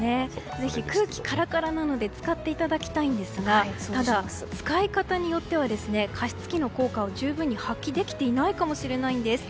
ぜひ空気がカラカラなので使っていただきたいんですがただ、使い方によっては加湿器の効果を十分に発揮できていないかもしれないんです。